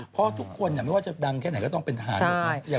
เพราะทุกคนไม่ว่าจะดังแค่ไหนก็ต้องเป็นทหารหมด